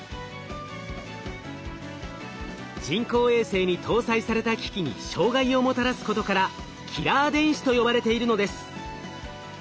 人工衛星に搭載された機器に障害をもたらすことからキラー電子と呼ばれているのです。